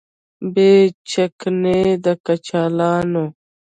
بې چکنۍ د کچالانو